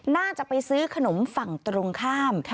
น่าจะไปซื้อขนมฝั่งตรงข้าม